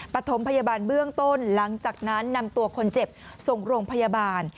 ปฐมพยาบาลเบื้องต้นหลังจากนั้นนำตัวคนเจ็บส่งโรงพยาบาล